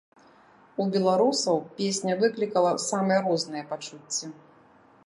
У беларусаў песня выклікала самыя розныя пачуцці.